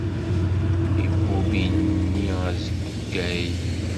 Ibubb ini azeggay.